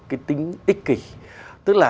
cái tính ích kỷ tức là